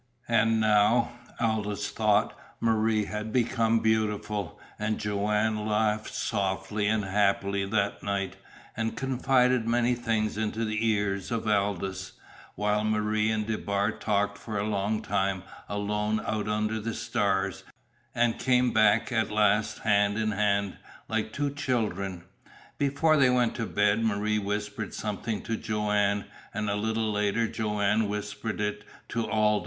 And now, Aldous thought, Marie had become beautiful; and Joanne laughed softly and happily that night, and confided many things into the ears of Aldous, while Marie and DeBar talked for a long time alone out under the stars, and came back at last hand in hand, like two children. Before they went to bed Marie whispered something to Joanne, and a little later Joanne whispered it to Aldous.